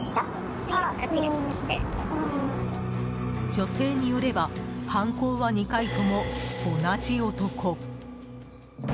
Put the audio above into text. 女性によれば犯行は２回とも同じ男。